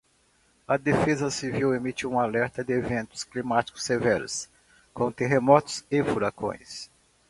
A defesa civil emitiu um alerta de eventos climáticos severos, como terremotos e furacões